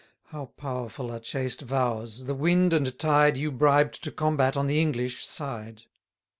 How powerful are chaste vows! the wind and tide You bribed to combat on the English, side.